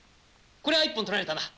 こりゃ一本取られたな。